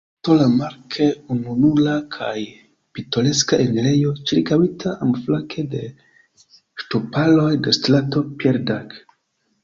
Strato Lamarck, ununura kaj pitoreska enirejo, ĉirkaŭita ambaŭflanke de ŝtuparoj de Strato Pierre-Dac.